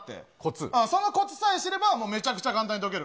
そのコツさえ知れば、めちゃくちゃ簡単に解ける。